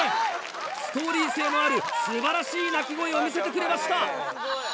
ストーリー性のある素晴らしい鳴き声を見せてくれました！